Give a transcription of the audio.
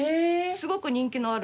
すごく人気のある。